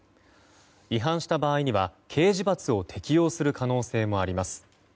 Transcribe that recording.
違反した場合には、刑事罰を適用する可能性もあります。